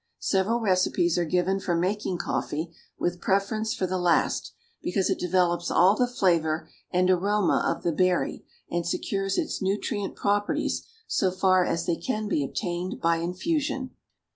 Several recipes are given for making coffee, with preference for the last, because it develops all the flavor and aroma of the berry, and secures its nutrient properties so far as they can be obtained by infusion.